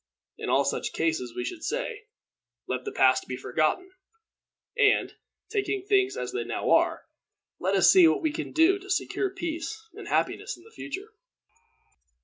In all such cases we should say, let the past be forgotten, and, taking things as they now are, let us see what we can do to secure peace and happiness in future.